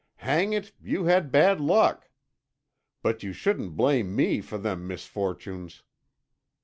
"Hang it! you had bad luck. But you shouldn't blame me for them misfortunes."